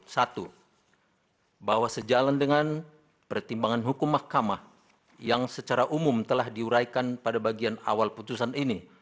satu bahwa sejalan dengan pertimbangan hukum mahkamah yang secara umum telah diuraikan pada bagian awal putusan ini